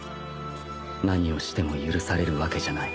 何をしても許されるわけじゃない。